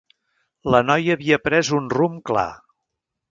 La noia havia pres un rumb clar.